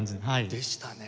でしたね！